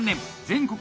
全国